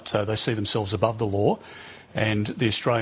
mereka melihat dirinya lebih ke atas perintah australia